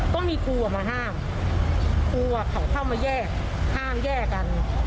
ก็มีครูมาห้ามครูเขาเข้ามาแยกห้ามแยกกัน